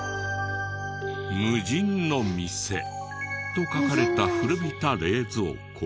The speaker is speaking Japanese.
「無人の店」と書かれた古びた冷蔵庫。